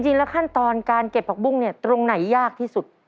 ขั้นตอนการเก็บผักบุ้งเนี่ยตรงไหนยากที่สุด